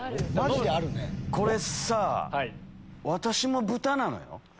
これさ私も豚なのよ。